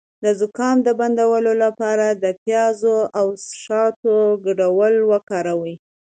د زکام د بندیدو لپاره د پیاز او شاتو ګډول وکاروئ